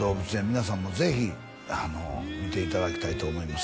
皆さんもぜひあの見ていただきたいと思います